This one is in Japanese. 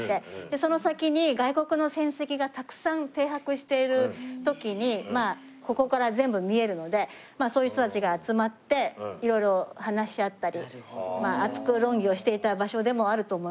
その先に外国の船籍がたくさん停泊している時にここから全部見えるのでそういう人たちが集まって色々話し合ったり熱く論議をしていた場所でもあると思いますので。